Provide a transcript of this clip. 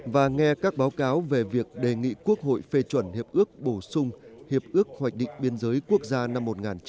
và nghe các báo cáo về việc đề nghị quốc hội phê chuẩn hiệp ước bổ sung hiệp ước hoạch định biên giới quốc gia năm một nghìn chín trăm tám mươi năm